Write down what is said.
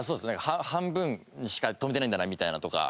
半分にしか留めてないんだなみたいなとか。